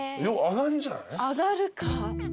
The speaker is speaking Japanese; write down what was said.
上がるか？